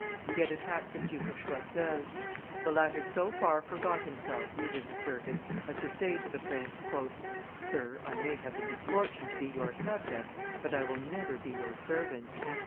He had attacked the Duke of Choiseul; the latter so far forgot himself, it is asserted, as to say to the prince, "Sir, I may have the misfortune to be your subject, but I will never be your servant."